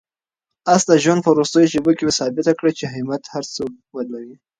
آس د ژوند په وروستیو شېبو کې ثابته کړه چې همت هر څه بدلوي.